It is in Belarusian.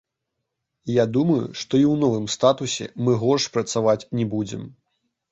Я думаю, што і ў новым статусе мы горш працаваць не будзем.